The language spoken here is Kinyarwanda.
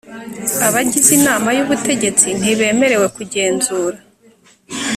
abagize inama y ubutegetsi ntibemerewe kugenzura